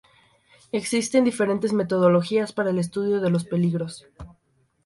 Existen diferentes metodologías para el estudio de los peligros.